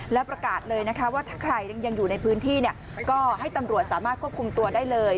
และประกาศเลยนะคะว่าถ้าใครยังอยู่ในพื้นที่ก็ให้ตำรวจสามารถควบคุมตัวได้เลย